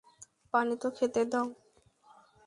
পানি তো খেতে দাও।